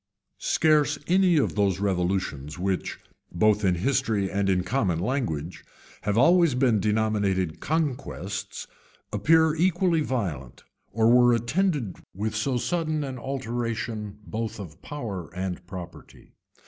[* Hoveden, p. 600.] Scarce any of those revolutions, which, both in history and in common language, have always been denominated conquests, appear equally violent, or were attended with so sudden an alteration both of power and property.